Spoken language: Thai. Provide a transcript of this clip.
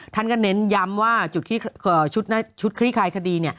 ท่านก็เน้นย้ำว่าจุดที่ชุดคลี่คลายคดี